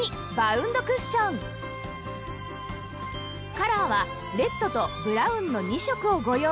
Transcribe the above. カラーはレッドとブラウンの２色をご用意